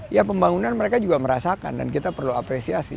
ya pembangunan mereka juga merasakan dan kita perlu apresiasi